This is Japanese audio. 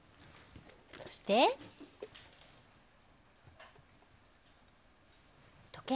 そして、時計。